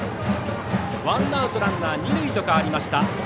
ワンアウトランナー、二塁と変わりました。